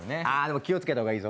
気をつけた方がいいぞ。